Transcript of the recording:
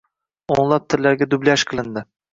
O’nlab tillarga dublyaj qilindi